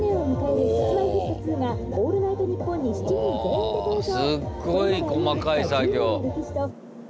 すっごい細かい作業。